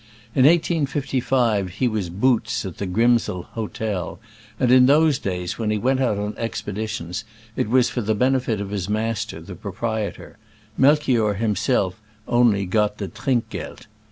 In 1855 he was "Boots" at the Grimsel ho tel, and in those days when he went out on expeditions it was for the benefit of his master, the proprietor : Melchior himself only got the trinkgelt.